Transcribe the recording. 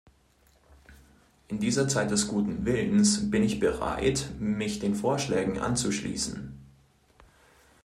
In dieser Zeit des guten Willens bin ich bereit, mich den Vorschlägen anzuschließen.